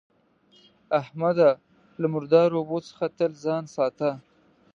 احمده! له مردارو اوبو څخه تل ځان ساته.